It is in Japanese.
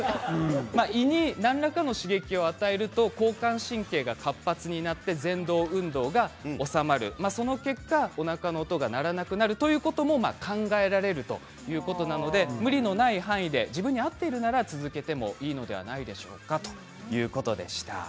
胃に何らかの刺激を加えると交感神経が高まって胃のぜん動運動が弱まっておなかの音が鳴らなくなるということも考えられるということなので無理のない範囲で自分に合っているなら続けてもいいんじゃないかということでした。